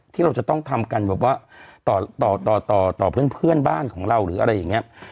ที่เราจะต้องทำกันต่อเพื่อนบ้านของเราหรืออะไรอย่างนี้